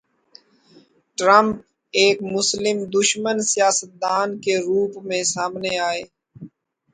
Trump ایک مسلم دشمن سیاست دان کے روپ میں سامنے آئے۔